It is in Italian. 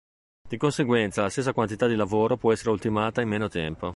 Di conseguenza la stessa quantità di lavoro può essere ultimata in meno tempo.